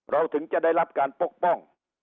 ถึงจะได้รับการปกป้อง